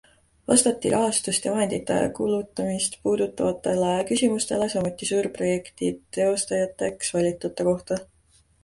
Vastati rahastust ja vahendite kulutamist puudutavatele küsimustele, samuti suurprojekti teostajateks valitute kohta.